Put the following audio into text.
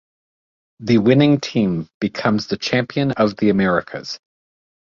The winning team becomes the champion of the Americas.